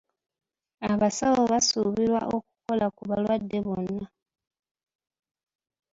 Abasawo basuubirwa okukola ku balwadde bonna.